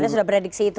anda sudah prediksi itu